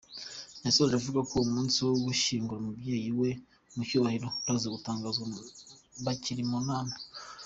Yasoje avugako umunsi wo gushyingura umubyeyi we mu cyubahiro uraza gutangazwa bakiri mu nama.